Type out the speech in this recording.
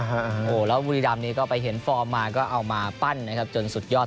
โอ้โหแล้วบุรีรำนี้ก็ไปเห็นฟอร์มมาก็เอามาปั้นนะครับจนสุดยอด